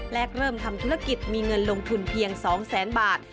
เริ่มทำธุรกิจมีเงินลงทุนเพียง๒แสนบาท